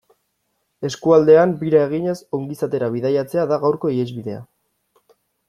Eskualdean bira eginez ongizatera bidaiatzea da gaurko ihesbidea.